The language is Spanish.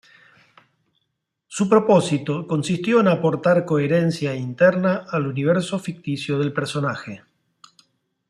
Su propósito consistió en aportar coherencia interna al universo ficticio del personaje.